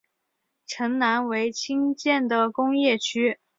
城南为新建的工业区。